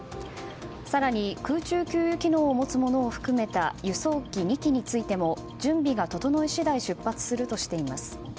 更に、空中給油機能を持つものを含めた輸送機２機についても準備が整い次第出発するとしています。